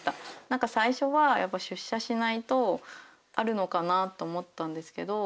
何か最初はやっぱ出社しないとあるのかなと思ったんですけど